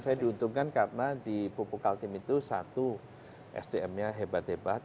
saya diuntungkan karena di pupuk kaltim itu satu sdm nya hebat hebat